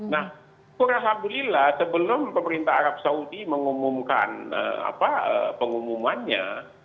nah alhamdulillah sebelum pemerintah arab saudi mengumumkan pengumumannya